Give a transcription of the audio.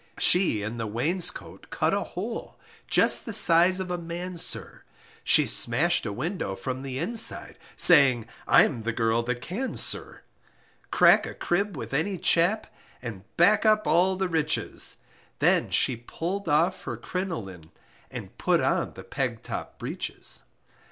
She in the wainscoat cut a hole, Just the size of a man, sir, She smashed a window from the inside, Saying, I'm the girl that can, sir, Crack a crib with any chap, And back up all the riches, Then she pulled off her crinoline, And put on the pegtop breeches.